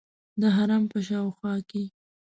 د حرم په شاوخوا کې.